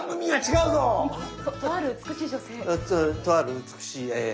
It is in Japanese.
とある美しい